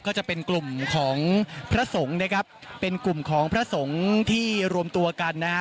ก็จะเป็นกลุ่มของพระสงฆ์นะครับเป็นกลุ่มของพระสงฆ์ที่รวมตัวกันนะฮะ